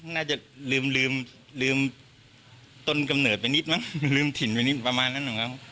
น่าจะลืมต้นกำเนิดไปนิดมั้งลืมถิ่นไปนิดประมาณนั้น